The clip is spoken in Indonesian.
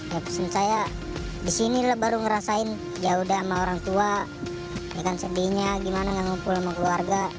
ya pesan saya disini lah baru ngerasain yaudah sama orang tua ya kan sedihnya gimana yang ngumpul sama keluarga